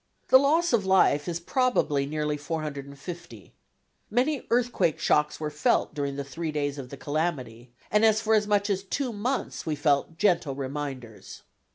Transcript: The loss of life is probably nearly 450. Many earthquake shocks were felt during the three days of the calamity, and for as much as two months we felt gentle reminders.